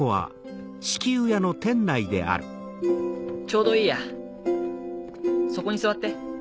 ちょうどいいやそこに座って。